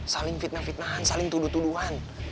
saling fitnah fitnahan saling tuduh tuduhan